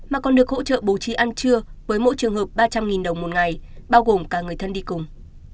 mà còn được hỗ trợ bố trí ăn trưa với mỗi trường hợp ba trăm linh đồng một ngày bao gồm cả người thân đi cùng